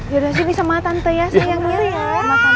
yaudah sini sama tante ya sayang